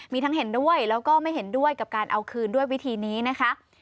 มีทั้งเห็นด้วยแล้วก็ไม่เห็นด้วยกับการเอาคืนด้วยวิธีนี้นะคะ